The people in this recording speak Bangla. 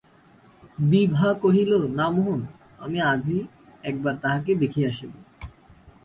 বিভা কহিল, না মোহন, আমি আজই একবার তাঁহাকে দেখিয়া আসিব।